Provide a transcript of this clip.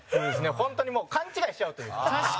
本当に、もう勘違いしちゃうというか。